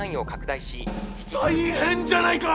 大変じゃないか。